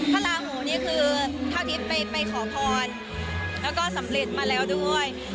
ลาหูนี่คือเท่าทิพย์ไปขอพรแล้วก็สำเร็จมาแล้วด้วย